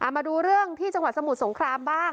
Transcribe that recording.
มาดูเรื่องที่จังหวัดสมุทรสงครามบ้าง